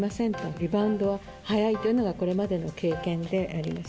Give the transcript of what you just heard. リバウンド、速いというのがこれまでの経験であります。